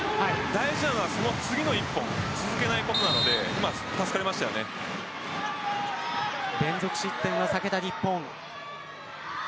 大事なのは、その次の１本続けないことなので連続失点は避けた日本。